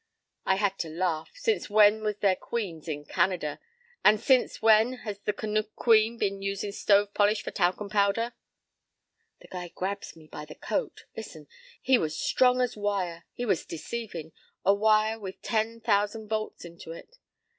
p> "I had to laugh. 'Since when was there queens in Canada?' says I. 'And since when has the Canuck queens been usin' stove polish for talcum powder?' "The guys grabs me by the coat. Listen. He was strong as a wire. He was deceivin'. A wire with ten thousand volts into it.